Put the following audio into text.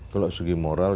kalau segi moral